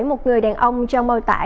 một người đàn ông trong môi tả